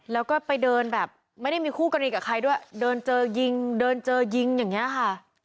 แล้วก็ไปเดินแบบไม่ได้มีคู่กรณีกับใครด้วยเดินเจอยิงเดินเจอยิงอย่างนี้ค่ะ